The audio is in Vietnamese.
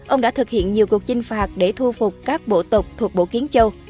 ông đã thực hiện nhiều cuộc chinh phạt để thu phục các bộ tộc thuộc bộ kiến châu